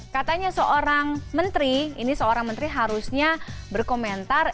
katanya seorang menteri ini seorang menteri harusnya berkomentar